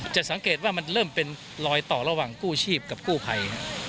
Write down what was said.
จะสังเกตว่ามันเริ่มเป็นรอยต่อระหว่างกู้ชีพกับกู้ภัย